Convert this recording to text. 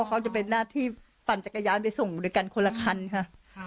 เขาจะเป็นหน้าที่ปั่นจักรยานไปส่งด้วยกันคนละคันค่ะ